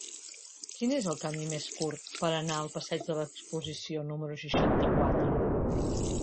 Quin és el camí més curt per anar al passeig de l'Exposició número seixanta-quatre?